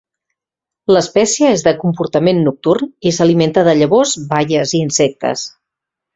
L'espècie és de comportament nocturn i s'alimenta de llavors, baies i insectes.